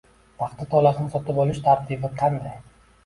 Paxta tolasini sotib olish tartibi qanday?